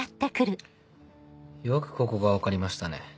よくここが分かりましたね。